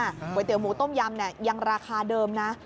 ๋วยเตี๋ยหมูต้มยำเนี่ยยังราคาเดิมนะ